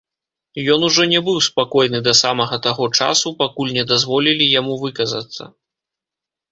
Ён ужо не быў спакойны да самага таго часу, пакуль не дазволілі яму выказацца.